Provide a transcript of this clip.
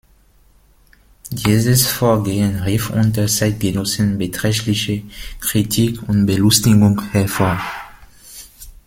Dieses Vorgehen rief unter Zeitgenossen beträchtliche Kritik und Belustigung hervor.